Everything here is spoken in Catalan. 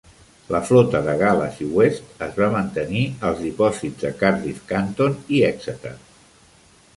La flota de Gal·les i West es va mantenir als dipòsits de Cardiff Canton i Exeter.